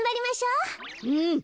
うん。